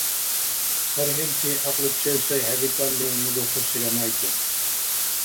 ЦархӀилти гӀякьлучев сай хӀебикӀалли, ну духусира майкӀуд.